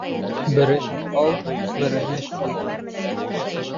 Береһен ал да, береһен ҡуй!